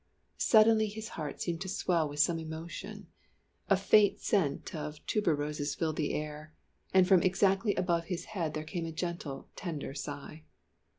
Suddenly his heart seemed to swell with some emotion, a faint scent of tuberoses filled the air and from exactly above his head there came a gentle, tender sigh.